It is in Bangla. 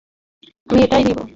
আমি এটাই নিবো।